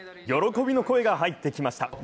喜びの声が入ってきました。